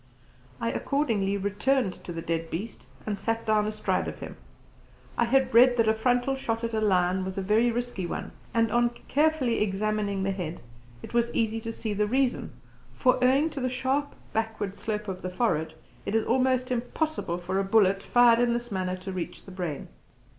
I accordingly returned to the dead beast and sat down astride of him. I had read that a frontal shot at a lion was a very risky one, and on carefully examining the head it was easy to see the reason; for owing to the sharp backward slope of the forehead it is almost impossible for a bullet fired in this manner to reach the brain.